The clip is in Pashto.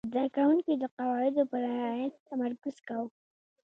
زده کوونکي د قواعدو په رعایت تمرکز کاوه.